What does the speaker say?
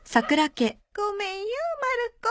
ごめんよまる子。